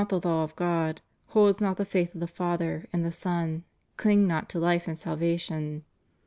359 the law of God, holds not the faith of the Father and the Son, dings not to hfe and salvation."